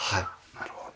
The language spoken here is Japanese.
なるほど。